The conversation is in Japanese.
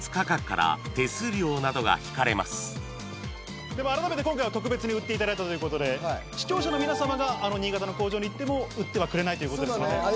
２台とも改めて今回は特別に売っていただいたということで視聴者の皆様が新潟の工場に行っても売ってはくれないということですので。